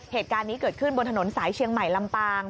เหตุการณ์นี้เกิดขึ้นบนถนนสายเชียงใหม่ลำปาง